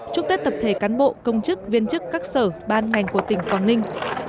chúc tết tập thể cán bộ công chức viên chức các sở ban ngành của tỉnh quảng ninh